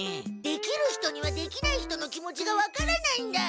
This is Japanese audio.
できる人にはできない人の気持ちが分からないんだ。